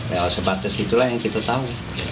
lewat sebatas itulah yang kita tahu